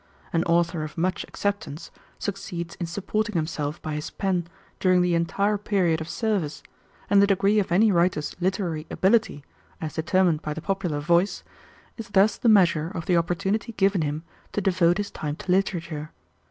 An author of much acceptance succeeds in supporting himself by his pen during the entire period of service, and the degree of any writer's literary ability, as determined by the popular voice, is thus the measure of the opportunity given him to devote his time to literature.